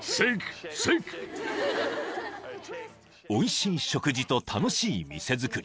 ［おいしい食事と楽しい店づくり］